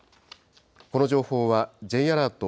この情報は、Ｊアラート